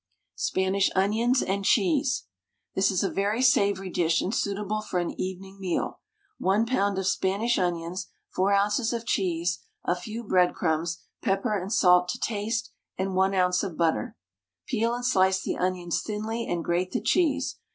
SPANISH ONIONS AND CHEESE. This is a very savoury dish and suitable for an evening meal. 1 lb. of Spanish onions, 4 oz. of cheese, a few breadcrumbs, pepper and salt to taste, and 1 oz. of butter. Peel and slice the onions thinly and grate the cheese.